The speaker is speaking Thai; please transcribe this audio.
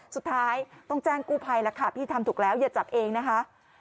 สุดท้ายต้องแจ้งกู้ภัยแล้วค่ะพี่ทำถูกแล้วอย่าจับเองนะคะ